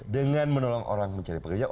dengan menolong orang mencari pekerjaan